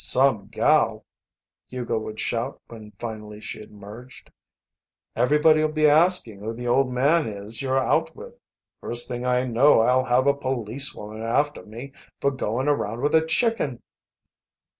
"Some gal!" Hugo would shout when finally she emerged. "Everybody'll be asking who the old man is you're out with. First thing I know I'll have a police woman after me for going around with a chicken."